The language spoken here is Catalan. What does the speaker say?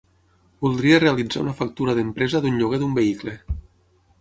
Voldria realitzar una factura d'empresa d'un lloguer d'un vehicle.